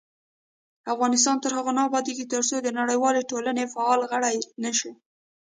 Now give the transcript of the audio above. افغانستان تر هغو نه ابادیږي، ترڅو د نړیوالې ټولنې فعال غړي نشو.